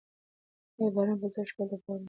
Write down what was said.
ایا باران به سږ کال د باغونو مېوې زیانمنې نه کړي؟